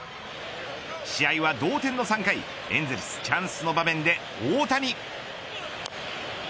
試合は同点の３回エンゼルスチャンスの場面で大谷。